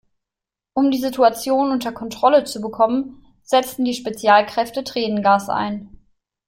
Um die Situation unter Kontrolle zu bekommen, setzten die Spezialkräfte Tränengas ein.